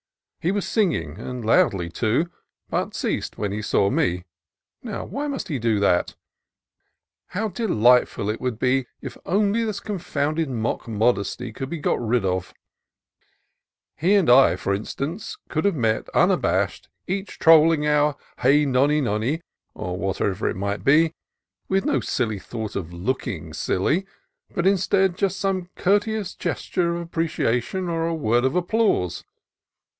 He was sing ing, and loudly, too, but ceased when he saw me. Now, why must he do that? How delightful it would be if only this confounded mock modesty could be got rid of! — if he and I, for instance, could have met unabashed, each trolling out our "Hey nonny, nonny," or whatever it might be, with no silly thought of looking silly, but, instead, just some courteous gesture of appreciation or word of ap plause.